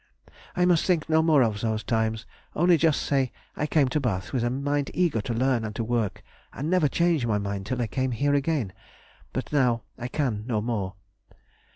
I must think no more of those times, only just say I came to Bath with a mind eager to learn and to work, and never changed my mind till I came here again, but now I can no more....